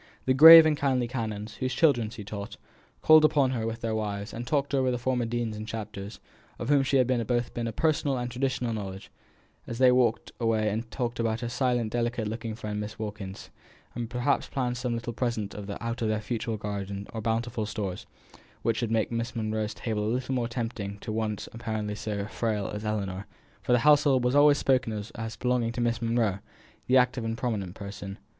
The grave and kindly canons, whose children she taught, called upon her with their wives, and talked over the former deans and chapters, of whom she had both a personal and traditional knowledge, and as they walked away and talked about her silent delicate looking friend Miss Wilkins, and perhaps planned some little present out of their fruitful garden or bounteous stores, which should make Miss Monro's table a little more tempting to one apparently so frail as Ellinor, for the household was always spoken of as belonging to Miss Monro, the active and prominent person.